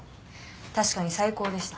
確かに最高でした。